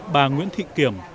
bà nguyễn thị kiểm